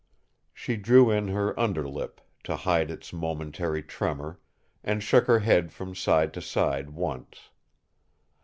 She drew in her under lip, to hide its momentary tremour, and shook her head from side to side once.